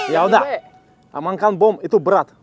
yaudah bangkan bom itu berat